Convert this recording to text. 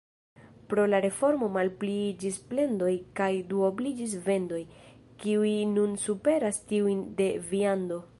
Pro la reformo malpliiĝis plendoj kaj duobliĝis vendoj, kiuj nun superas tiujn de viando.